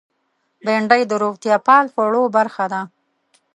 بېنډۍ د روغتیا پال خوړو برخه ده